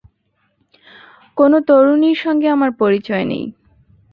কোনো তরুণীর সঙ্গে আমার পরিচয় নেই।